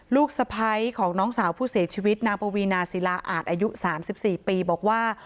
ลูกสะพ้ายของน้องสาวผู้เสียชีวิตนางปวีนาศิลาอาจอายุ๓๔ปีบอกว่า